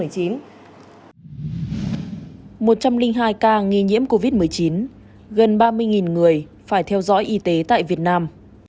một trăm linh hai ca nghi nhiễm covid một mươi chín gần ba mươi người phải theo dõi y tế tại việt nam